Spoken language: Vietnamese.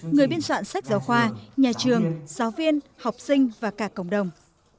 người biên soạn sách giáo khoa nhà trường giáo viên học sinh và cả cộng đồng